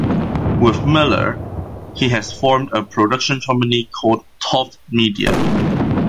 With Miller, he has formed a production company called "Toff Media".